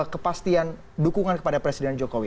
kepastian dukungan kepada presiden jokowi